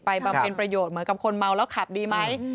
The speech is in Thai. บำเพ็ญประโยชน์เหมือนกับคนเมาแล้วขับดีไหม